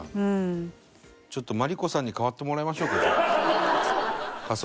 ちょっとマリコさんに代わってもらいましょうかじゃあ。